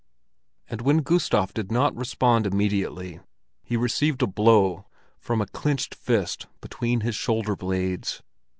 and when Gustav did not respond immediately, he received a blow from a clenched fist between his shoulder blades.